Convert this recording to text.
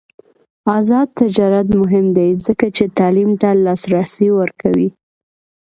آزاد تجارت مهم دی ځکه چې تعلیم ته لاسرسی ورکوي.